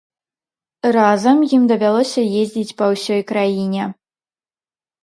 Разам ім давялося ездзіць па ўсёй краіне.